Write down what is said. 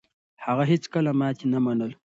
هغه هيڅکله ماتې نه منله.